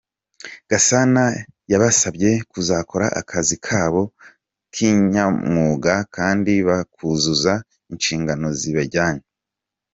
Gasana yabasabye kuzakora akazi kabo kinyamwuga kandi bakuzuza inshingano zibajyanye.